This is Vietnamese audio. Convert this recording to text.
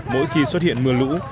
mỗi khi xuất hiện mưa lũ